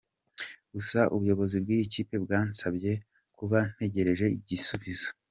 Gusa ubuyobozi bw’iyi kipe bwansabye kuba ntegereje igisubizo.